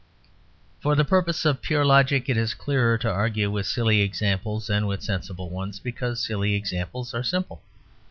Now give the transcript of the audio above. For the purposes of pure logic it is clearer to argue with silly examples than with sensible ones: because silly examples are simple.